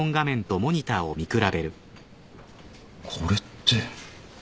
これって。